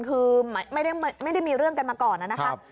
คือไม่ได้มีเรื่องกันมาก่อนนะครับ